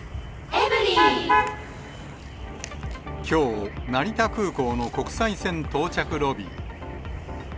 きょう、成田空港の国際線到着ロビー。